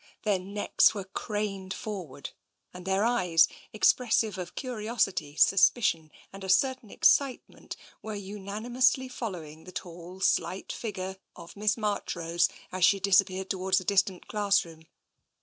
Their necks were craned forward. V 244 TENSION and their eyes, expressive of curiosity, suspicion and a certain excitement, were unanimously following the tall, slight figure of Miss Marchrose as she disappeared towards a distant classroom.